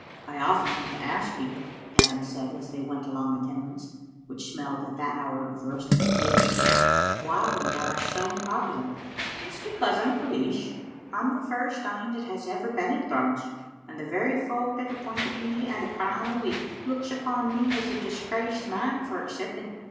I often meant to ask yon," Gavin said as they went along the Tenements, which smelled at that hour of roasted potatoes, "why you are so unpopular." "It's because I'm police. I'm the first ane that has ever been in Thrums, and the very folk that appointed me at a crown a week looks upon me as a disgraced man for accepting.